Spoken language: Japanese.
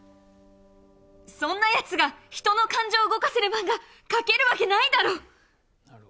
そんなやつが人の感情を動かせる漫画、描けるわけないだろ。